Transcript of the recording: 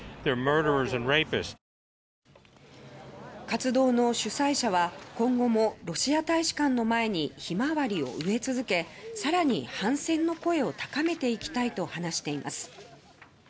活動の主催者は今後もロシア大使館の前にヒマワリを植え続けさらに反戦の声を高めていきたいと話しています。